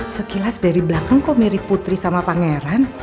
sekilas dari belakang kok mirip putri sama pangeran